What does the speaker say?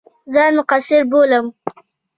ځان مقصِر بولم.